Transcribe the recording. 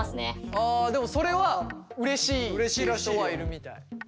ああでもそれはうれしい人はいるみたい。